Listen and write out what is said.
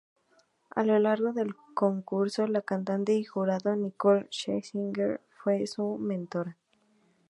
A lo largo del concurso, la cantante y jurado Nicole Scherzinger fue su mentora.